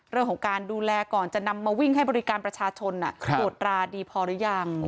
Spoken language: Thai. เรื่องของการดูแลก่อนจะนำมาวิ่งให้บริการประชาชนตรวจราดีพอหรือยัง